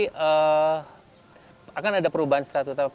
yang pasti akan ada perubahan statuta pssi yang saya lakukan